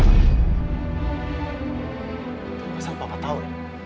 masalah papa tau